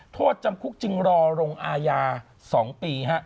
โทษจำคุกจึงรอลงอาญา๒ปี